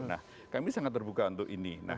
nah kami sangat terbuka untuk ini